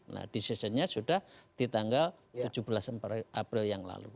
nah decisionnya sudah di tanggal tujuh belas april yang lalu